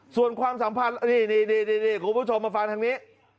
ส่วนความสัมพันธ์นี่คุณผู้ชมมาฟังทางนี้